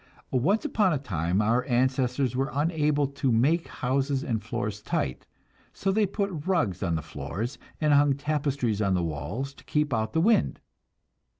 Once upon a time our ancestors were unable to make houses and floors tight, and so they put rugs on the floors and hung tapestries on the walls to keep out the wind.